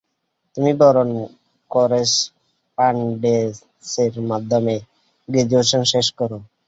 তুমি বরং করেসপন্ডেন্সের মাধ্যমে গ্রাজুয়েশন শেষ করো।